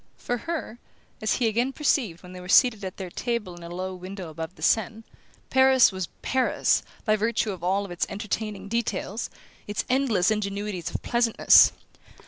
For her, as he again perceived when they were seated at their table in a low window above the Seine, Paris was "Paris" by virtue of all its entertaining details, its endless ingenuities of pleasantness.